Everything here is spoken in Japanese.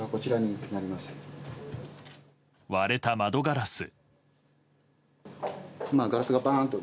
割れた窓ガラス。